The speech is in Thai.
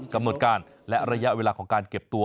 กำหนดการและระยะเวลาของการเก็บตัว